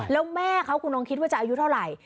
แล้วแม่เขาคุณลองคิดว่าจะอายุเท่าไหร่